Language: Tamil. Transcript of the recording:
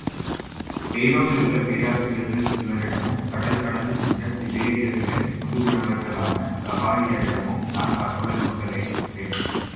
கெய்ரோவிலே உள்ள பேராசிரியர் சிலரிடமும், கடல் கடந்து சென்று திபேரியர்களின் முதுகுரவர்களான கபாலியரிடமும் நான் பற்பல நூல்களைக் கற்றேன்.